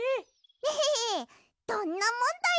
エヘヘどんなもんだい！